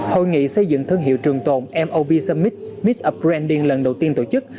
hội nghị xây dựng thương hiệu trường tồn mop summit meetup branding lần đầu tiên tổ chức